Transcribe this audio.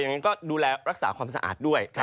อย่างนี้ก็ดูแลรักษาความสะอาดด้วย